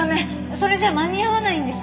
それじゃ間に合わないんです。